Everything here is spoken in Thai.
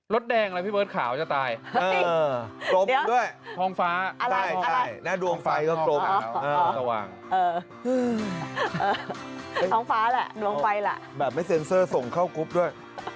รถแดงอะไรพี่เบิร์ดขาวจะตายเออกลมด้วยทองฟ้าใช่ใช่และดวงไฟก็กลมสว่างเออทองฟ้าล่ะดวงไฟล่ะแบบไอ้เซ็นเซอร์ส่งเข้ากรุ๊ปด้วย